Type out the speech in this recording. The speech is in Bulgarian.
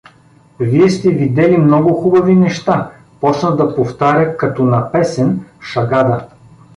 Вие сте видели много хубави неща! — почна да повтаря като на песен Шагада.